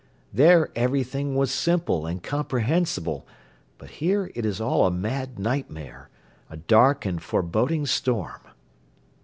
There everything was simple and comprehensible, but here it is all a mad nightmare, a dark and foreboding storm!"